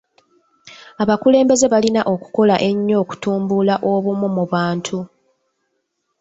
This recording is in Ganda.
Abakulembeze balina okukola ennyo okutumbula obumu mu bantu.